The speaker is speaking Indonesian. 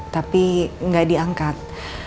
tapi gak diangkat